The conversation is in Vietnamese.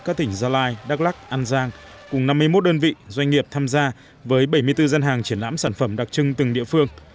các tỉnh gia lai đắk lắc an giang cùng năm mươi một đơn vị doanh nghiệp tham gia với bảy mươi bốn dân hàng triển lãm sản phẩm đặc trưng từng địa phương